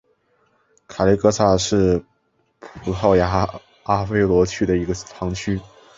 卡雷戈萨是葡萄牙阿威罗区的一个堂区。